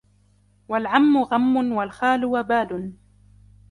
وَالْعَمُّ غَمٌّ وَالْخَالُ وَبَالٌ